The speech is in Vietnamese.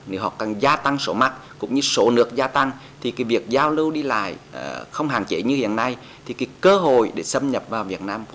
nếu họ càng gia tăng số mắc cũng như số nước gia tăng thì việc giao lưu đi lại không hạn chế như hiện nay